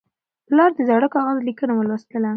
پلار د زاړه کاغذ لیکنه ولوستله.